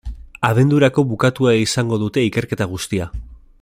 Abendurako bukatua izango dute ikerketa guztia.